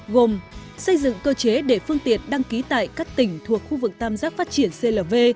gồm xây dựng cơ chế để phương tiện đăng ký tại các tỉnh thuộc khu vực tam giác phát triển clv